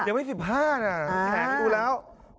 ยังไม่๑๕น่ะแขกดูแล้วอ่า